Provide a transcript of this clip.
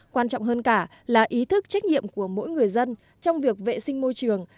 quan trọng hơn cả là ý thức trách nhiệm của mỗi người dân trong việc vệ sinh môi trường